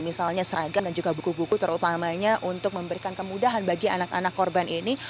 misalnya seragam dan juga buku buku terutamanya untuk memberikan kemudahan bagi anak anak korban ini